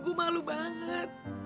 gue malu banget